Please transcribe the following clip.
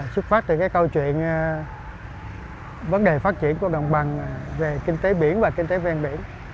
xuất phát từ cái câu chuyện vấn đề phát triển của đồng bằng về kinh tế biển và kinh tế ven biển